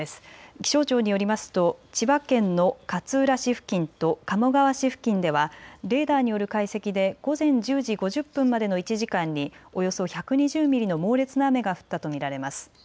気象庁によりますと千葉県の勝浦市付近と鴨川市付近ではレーダーによる解析で午前１０時５０分までの１時間におよそ１２０ミリの猛烈な雨が降ったと見られます。